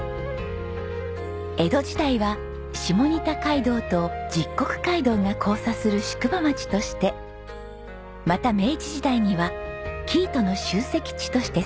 江戸時代は下仁田街道と十石街道が交差する宿場町としてまた明治時代には生糸の集積地として栄えました。